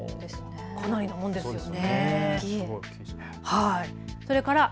かなりなもんですよね。